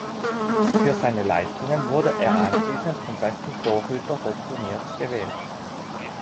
Für seine Leistungen wurde er anschließend zum besten Torhüter des Turniers gewählt.